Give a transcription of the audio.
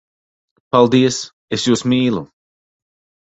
Paldies! Es jūs mīlu!